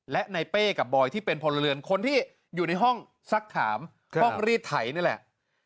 และในเป้กับบอยที่เป็นพลเรือนคนที่อยู่ในห้องสักถามห้องรีดไถนี่แหละ